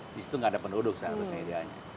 seharusnya di situ tidak ada penduduk seharusnya idealnya